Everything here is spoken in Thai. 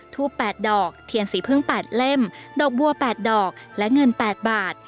ทูบ๘ดอกเทียนสีพึ่ง๘เล่มดอกบัว๘ดอกและเงิน๘บาท